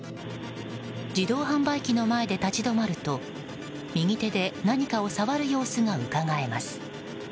自動販売機の前で立ち止まると右手で何かを触る様子がうかがえます。